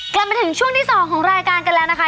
กลับมาถึงช่วงที่๒ของรายการกันแล้วนะคะ